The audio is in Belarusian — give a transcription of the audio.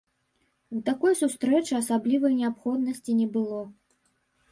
У такой сустрэчы асаблівай неабходнасці не было.